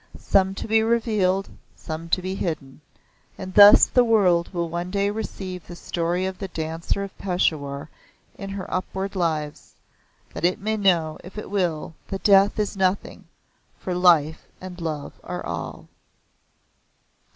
Some to be revealed some to be hidden. And thus the world will one day receive the story of the Dancer of Peshawar in her upward lives, that it may know, if it will, that death is nothing for Life and Love are all.